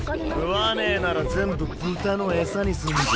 食わねぇなら全部豚の餌にすんぞ？